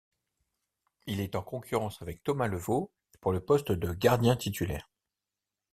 Il est en concurrence avec Thomas Levaux pour le poste de gardien titulaire.